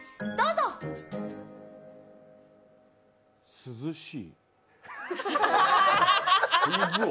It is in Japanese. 涼しい？